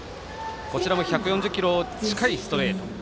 こちらも１４０キロ近いストレート